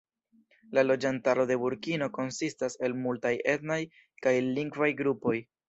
La loĝantaro de Burkino konsistas el multaj etnaj kaj lingvaj grupoj.